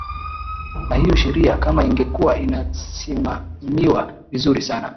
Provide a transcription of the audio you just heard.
na hiyo sheria kama ingekuwa inasimamiwa vizuri sana